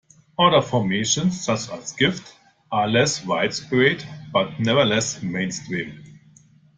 Other formations, such as "gift", are less widespread but nevertheless mainstream.